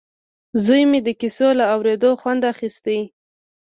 زوی مې د کیسو له اورېدو خوند اخیست